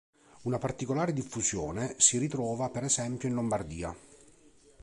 Una particolare diffusione si ritrova per esempio in Lombardia.